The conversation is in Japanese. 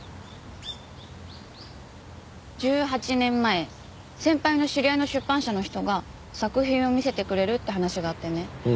１８年前先輩の知り合いの出版社の人が作品を見てくれるって話があってね。